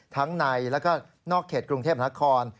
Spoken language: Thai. ทั้งในแล้วก็นอกเขตกรุงเทพนคร